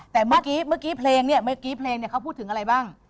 แต่เมื่อกี้เมื่อกี้เพลงเนี่ยเมื่อกี้เพลงเนี่ยเขาพูดถึงอะไรบ้าง